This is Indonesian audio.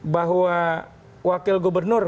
bahwa wakil gubernur